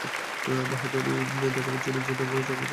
বাহাদুরি দেখাবার জন্যে যে দান, আমার কাছে সে দানের কোনো মূল্য নেই।